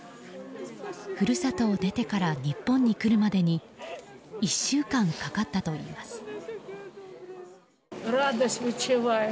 故郷を出てから日本に来るまでに１週間かかったといいます。